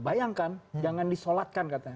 bayangkan jangan disolatkan katanya